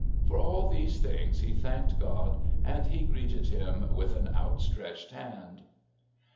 For all these things he thanked God, and he greeted Him with an outstretched hand.